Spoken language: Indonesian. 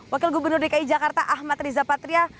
wakil gubernur dki jakarta ahmad riza patria